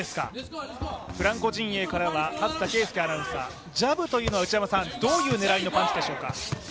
フランコ陣営からは初田啓介アナウンサー、ジャブというのは、どういう狙いのパンチでしょうか？